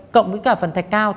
cộng với phần thạch cao